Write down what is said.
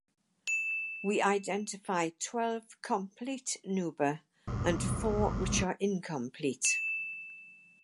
We identify twelve complete nuba and four which are incomplete.